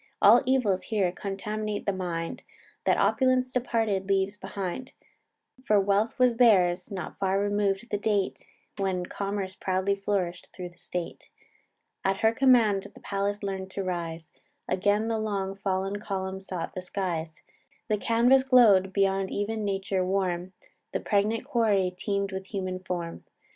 All evils here contaminate the mind, That opulence departed leaves behind: For wealth was theirs, not far remov'd the date, When commerce proudly flourish'd thro' the state; At her command the palace learn'd to rise, Again the long fall'n column sought the skies; The canvass glow'd, beyond e'en nature warm; The pregnant quarry teem'd with human form.